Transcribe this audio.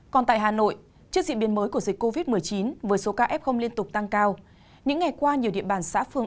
còn tại hà nội trước diễn biến mới của dịch covid một mươi chín với số ca f liên tục tăng cao những ngày qua nhiều địa bàn xã phương